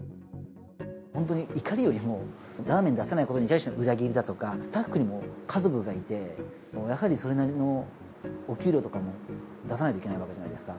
本当に怒りよりも、ラーメン出せないことに対しての裏切りだとか、スタッフにも家族がいて、やはりそれなりのお給料とかも出さないといけないわけじゃないですか。